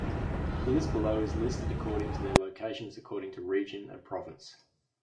The list below is listed according to their locations according to region and province.